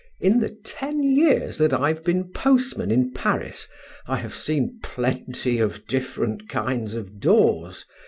In the ten years that I've been postman in Paris, I have seen plenty of different kinds of doors!